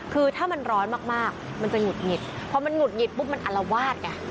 คือถ้ามันร้อนมากมันจะหงุดหงิดพอมันหุดหงิดปุ๊บมันอลวาดไง